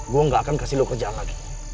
gua gak akan kasih lu kerjaan lagi